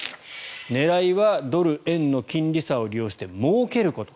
狙いはドル円の金利差を利用してもうけること。